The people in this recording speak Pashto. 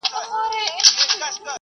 موږ حساب له شيانو سره کوو.